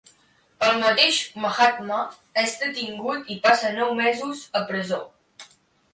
El mateix Mahatma és detingut i passa nou mesos a presó.